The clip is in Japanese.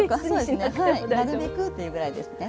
なるべくというぐらいですね。